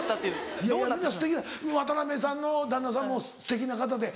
渡辺さんの旦那さんもすてきな方で。